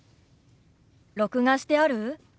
録画してある？